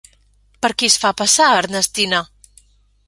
Per qui es fa passar Ernestina?